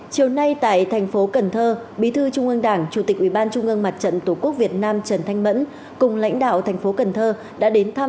chiều nay tại tp cần thơ bí thư trung ương đảng chủ tịch ủy ban trung ương mặt trận tổ quốc việt nam trần thanh mẫn cùng lãnh đạo tp cần thơ